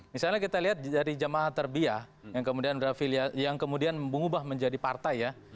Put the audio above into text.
misalnya kita lihat dari jamaah terbiah yang kemudian mengubah menjadi partai ya